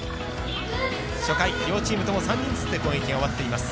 初回、両チームとも３人ずつで攻撃が終わっています。